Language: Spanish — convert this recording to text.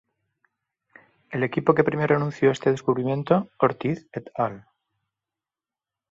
El equipo que primero anunció este descubrimiento, Ortiz "et al.